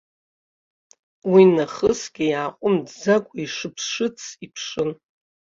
Уи нахысгьы иааҟәымҵӡакәа ишыԥшыц иԥшын.